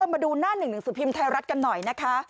มาดูหน้า๑๑สุพิมพ์ไทยรัฐกันหน่อยนะคะ